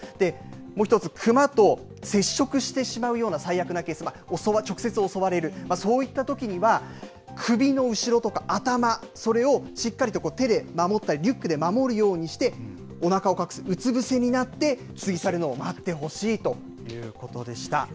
もう一つ、クマと接触してしまうような最悪なケース、直接襲われる、そういったときには、首の後ろとか頭、それをしっかりと手で守ったり、リュックで守るようにして、おなかを隠す、うつぶせになって、過ぎ去るのを待ってほしいということでした。